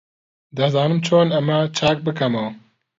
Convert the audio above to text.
دەزانم چۆن ئەمە چاک بکەمەوە.